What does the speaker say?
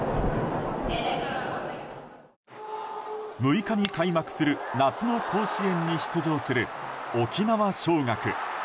６日に開幕する夏の甲子園に出場する沖縄尚学。